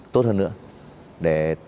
tốt hơn nữa để